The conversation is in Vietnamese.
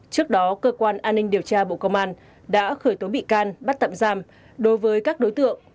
trước đó cơ quan an ninh điều tra bộ công an đã khởi tố bị can bắt tạm giam đối với các đối tượng